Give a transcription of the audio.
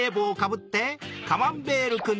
カマンベールくん！